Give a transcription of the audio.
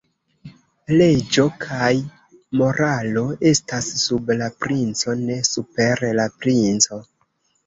Leĝo kaj moralo estas sub la princo, ne super la princo.